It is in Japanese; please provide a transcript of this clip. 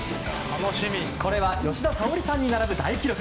これは、吉田沙保里さんに並ぶ大記録！